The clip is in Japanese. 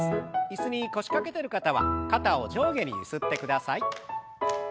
椅子に腰掛けてる方は肩を上下にゆすってください。